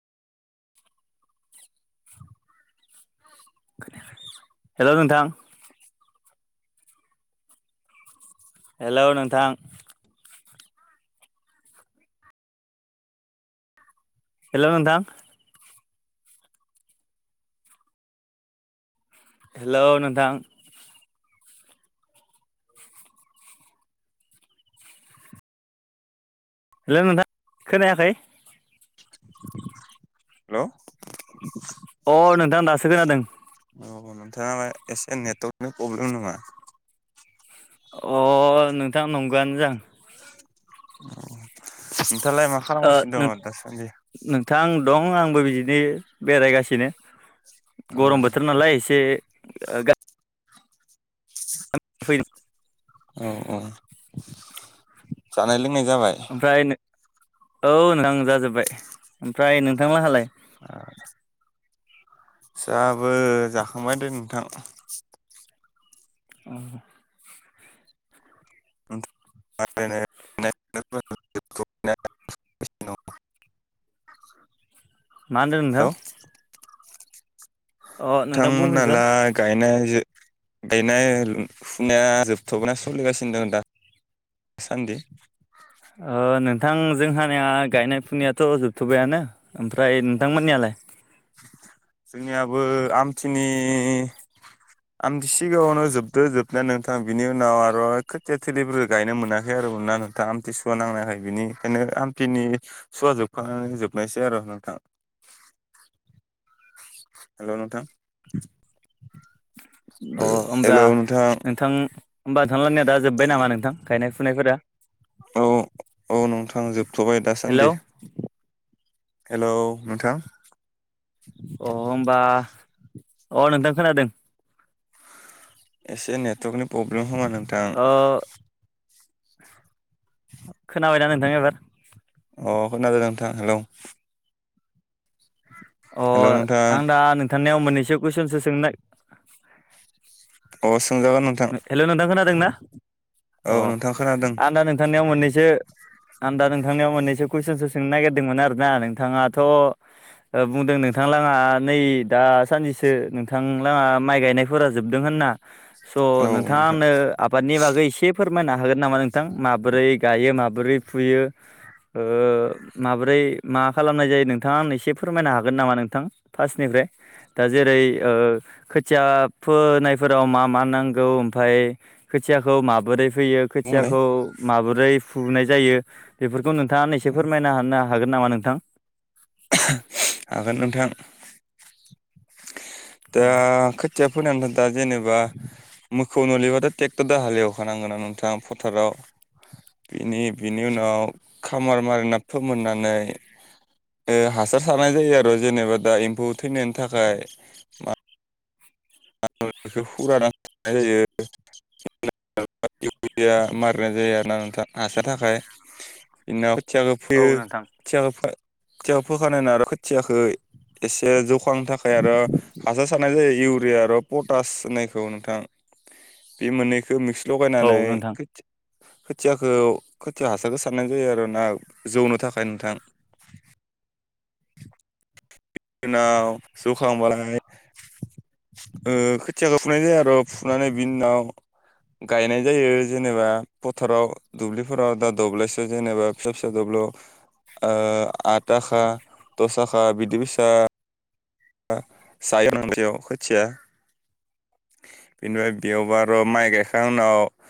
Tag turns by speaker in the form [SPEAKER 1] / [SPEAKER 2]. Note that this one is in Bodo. [SPEAKER 1] [inaudible] हेलौ नोंथां। हेलौ नोंथां। हेलौ नोथां। हेलौ नोंथां। हेलौ नोंथां खोनायाखै।
[SPEAKER 2] हेलौ।
[SPEAKER 1] अ नोंथां दासो खोनादों।
[SPEAKER 2] औ नोंथाङा एसे नेटवर्कनि प्रब्लेम नामा?
[SPEAKER 1] अ नोंथां नंगौ आनो जां।
[SPEAKER 2] नोंथालाय मा खालामगासिनो
[SPEAKER 1] ओ
[SPEAKER 2] दङ दासान्दि।
[SPEAKER 1] नोंथां दं आंबो बिदिनो बेरायगासिनो।
[SPEAKER 2] औ
[SPEAKER 1] गरम बोथोर नालाय एसे गा फै
[SPEAKER 2] ओ औ जानाय लोंनाय जाबाय।
[SPEAKER 1] ओमफ्राय नों औ नोंथां जाजोब्बाय ओमफ्राय नोंथांला हालाय?
[SPEAKER 2] आ जाहाबो जाखांबाय दे नोंथां।
[SPEAKER 1] अ
[SPEAKER 2] [unintelligible]
[SPEAKER 1] मा होनदों नोंथां? अ
[SPEAKER 2] नों
[SPEAKER 1] नोंथां
[SPEAKER 2] थांमोन
[SPEAKER 1] बुंफिनसन
[SPEAKER 2] हालाय गायनाय जे गायनाय फुनाया जोबथ'बाय सोलिगासिनो दड दा? सानदि
[SPEAKER 1] ओ नोंथांजोंहानिया गायनाय फुनायाथ' जोबथ'बायानो ओमफ्राय नोंथांमोननियालाय?
[SPEAKER 2] जोंनियाबो आमथिनि आमथि सिगाङावनो जोबदो जोबनाया नोंथां बिनि उनाव आरो खोथिया थोलिफोरबो गायनो मोनाखै आरो मोन ना नोंथां आमथि सुवा नांनायखाय बिनि ओंखायनो आमथिनि सुवा जोबखांनानै जोबनायसै आरो नोंथां। हेल' नोंथां
[SPEAKER 1] अ होमब्ला नोंथां नोंथांलानिआ दा जोबबाय नामा नोंथां गायनाय फुनायफोरा?
[SPEAKER 2] औ औ नोंथां जोबथ'बाय
[SPEAKER 1] हेलौ
[SPEAKER 2] दासान्दि। हेलौ नोंथां
[SPEAKER 1] अ होमबा अ नोंथां खोनादों।
[SPEAKER 2] एसे नेटवर्कनि प्रब्लेम खोमा नोंथां।
[SPEAKER 1] अ खोनाबायना नोंथां एबार?
[SPEAKER 2] अ खोनादो नोंथां हेलौ
[SPEAKER 1] अ
[SPEAKER 2] हेलौ नोंथां
[SPEAKER 1] आं दा नोंथांनिआव मोननैसो कुइसनसो सोंनो ना
[SPEAKER 2] अ सों जागोन नों
[SPEAKER 1] हेलौ नोंथां खोनादों ना अ
[SPEAKER 2] औ नोंथां खोनादों
[SPEAKER 1] आंदा नोंथांनियाव मोननैसो आं दा नोंथांनियाव मोननैसो कुइसनसो सोंनो नागिरदोंमोन आरोना नोंथाङाथ' बुंदों नोंथांलाङा नै दासानदिसो नोंथांलाङा माइ गायनायख फोरा जोबदों होनना स'
[SPEAKER 2] औ
[SPEAKER 1] नोंथाङा
[SPEAKER 2] नोंथां
[SPEAKER 1] आंनो आबादनि बागै एसे फोरमायनो हागोन नामा नोंथां माबोरै गायो माबोरै फुयो। ओ माब्रै मा खालामनाय जायो नोंथाङा आंनो एसे फोरमायनो हागोन नामा नोंथां? फार्स्टनिफ्राय दा जेरै ओ खोथिया फोनायफोराव मा मा नांगौ ओमफ्राय खोथियाखौ माबोरै फैयो
[SPEAKER 2] बुंलाय
[SPEAKER 1] खोथियाखौ माबोरै फुनाय जायो बेफोरखौ नोंथाङा आंनो एसे फोरमायना हानो हागोन नामा नोंथां?
[SPEAKER 2] हागोन नोंथां। दा खोथिया फोनानै दा जेनेबा मोखौ नलिबाथ ट्रेक्टरद हालेवखानांगोना नोंथाङा फोथाराव। बिनि बिनि उनाव खामार मारिना फोमोननानै ओ हासार सारनाय जायो आरो जेनेबा दा एम्फौ थैनायनि थाखाय। बेखौ फुवारनानै दोननाय जायो। इउरिया मारिनाय जायो आरोना नोंथां हासारनि थाखाय। बिनि उनाव खोथियाखौ
[SPEAKER 1] औ
[SPEAKER 2] फोयो
[SPEAKER 1] नोंथां
[SPEAKER 2] खोथियाखौ खोथियाखौ फोखानाय नाय उनाव आरो खोथियाखै एसे जौखांनि थाखाय आरो हासार सारनाय जायो इउरिया आरो पटास होननायखौ नोंथां बे मोननैखौ मिक्स
[SPEAKER 1] औ
[SPEAKER 2] लगायनानै
[SPEAKER 1] नोंथां
[SPEAKER 2] खोथि खोथियाखौ खोथिया हासारगो सारनांगो जायो आरो ना जौनो थाखाय नोंथां। ओनाव जौखांबाय ओ खोथियाखौ फुनाय जायो आरो फुनानै बिनि उनाव गायनाय जायो जेनेबा फथाराव दुब्लिफोराव दा दब्लायसो जेनेबा फिसा फिसा दब्लाव ओ आथाखा दसाखा बिदि बिसा ‌ जायो नोंयाव खोथिया बेनिफ्राय बेयावबारो माइ गायखां उनाव